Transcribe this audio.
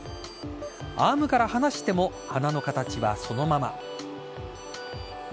アームから離しても花の形はそのまま。